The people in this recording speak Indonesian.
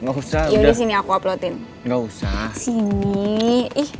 gak usah udah